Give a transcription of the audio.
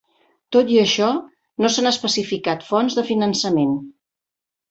Tot i això, no s'han especificat fonts de finançament.